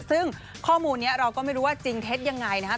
ซึ่งข้อมูลนี้เราก็ไม่รู้ว่าจริงเท็จยังไงนะครับ